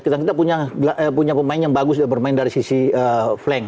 kita punya pemain yang bagus bermain dari sisi flank